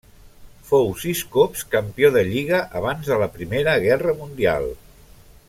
Fou sis cops campió de lliga abans de la Primera Guerra Mundial.